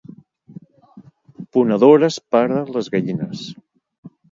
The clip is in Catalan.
Ponedores per a les gallines.